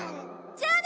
じゃあね！